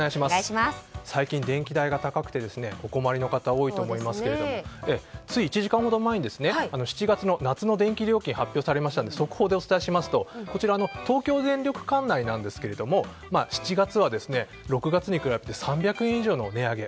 最近、電気代が高くてお困りの方多いと思いますけれどもつい１時間ほど前に７月の夏の電気料金が発表されましたので速報でお伝えしますと東京電力管内ですが７月は６月に比べて３００円以上の値上げ